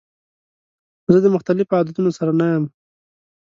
زه د مختلفو عادتونو سره نه یم.